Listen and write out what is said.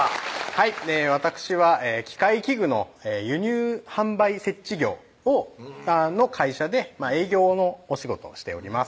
はいわたくしは機械器具の輸入・販売・設置業の会社で営業のお仕事をしております